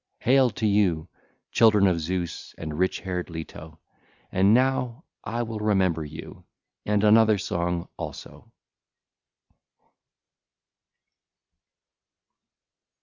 (ll. 21 22) Hail to you, children of Zeus and rich haired Leto! And now I will remember you and another song also.